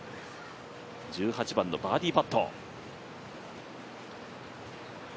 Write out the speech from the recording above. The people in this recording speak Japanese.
１８番のバーディーパット。